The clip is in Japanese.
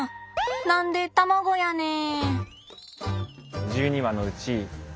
何で卵やねん。